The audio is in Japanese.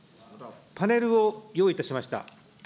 パネルを用意いたしました。